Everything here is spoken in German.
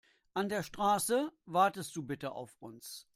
An der Straße wartest du bitte auf uns.